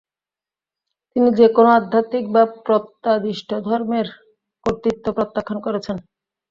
তিনি যেকোনো আধ্যাত্মিক বা প্রত্যাদিষ্ট ধর্মের কর্তৃত্ব প্রত্যাখ্যান করেছেন।